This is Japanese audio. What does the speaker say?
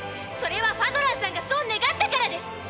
それはファドランさんがそう願ったからです。